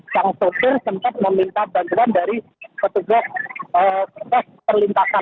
sang sopir sempat meminta bantuan dari petugas tes perlintasan